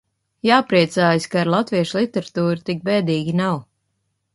Jāpriecājas, ka ar latviešu literatūru tik bēdīgi nav.